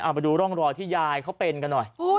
เอาไปดูร่องรอยที่ยายเขาเป็นกันหน่อย